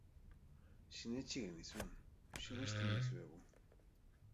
Sinetsi genizun, sinesten dizuegu.